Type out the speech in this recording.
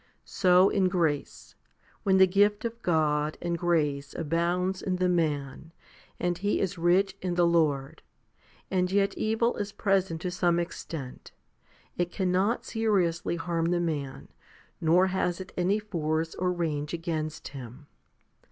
So in grace, when the gift of God and grace abounds in the man, and he is rich in the Lord, and yet evil is present to some extent, it cannot seriously harm the man, nor has it any force or range against him.